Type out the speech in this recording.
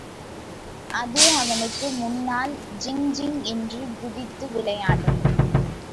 அது அவனுக்கு முன்னால் ஜிங் ஜிங் என்று குதித்து விளையாடும்.